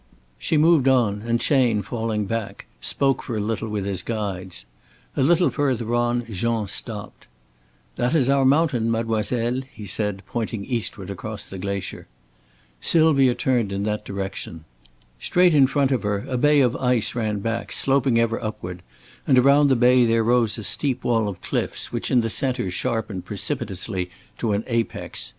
She moved on, and Chayne, falling back, spoke for a little with his guides. A little further on Jean stopped. "That is our mountain, mademoiselle," he said, pointing eastward across the glacier. Sylvia turned in that direction. Straight in front of her a bay of ice ran back, sloping ever upward, and around the bay there rose a steep wall of cliffs which in the center sharpened precipitously to an apex.